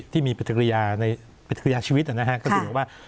ที่มีปฏิกิริยาในปฏิกิริยาชีวิตนะฮะก็ถือว่า